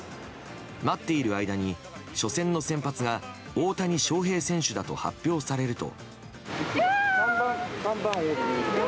待っている間に初戦の先発が大谷翔平選手だと発表されると。